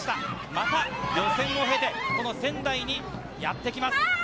また予選を経て、この仙台にやってきます。